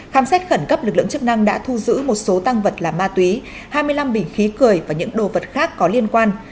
khám xét khẩn cấp lực lượng chức năng đã thu giữ một số tăng vật là ma túy hai mươi năm bình khí cười và những đồ vật khác có liên quan